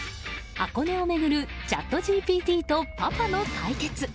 箱根を巡るチャットＧＰＴとパパの対決。